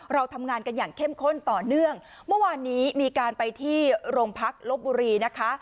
เราทำงานกันอย่างเข้มข้นต่อเนื่องเมื่อวานนี้มีการไปที่โรงพักลบบุรีนะคะ